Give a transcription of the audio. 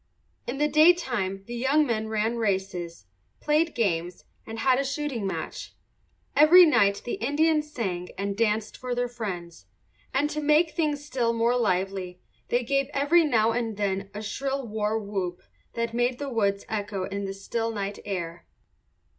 In the daytime the young men ran races, played games, and had a shooting match. Every night the Indians sang and danced for their friends; and to make things still more lively they gave every now and then a shrill war whoop that made the woods echo in the still night air.